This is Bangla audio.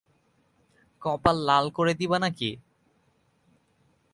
কপাল লাল করে দিবা নাকি?